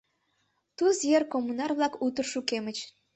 Туз йыр коммунар-влак утыр шукемыч.